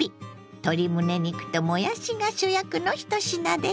鶏むね肉ともやしが主役の１品です。